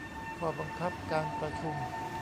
ข้อบังคับการประชุม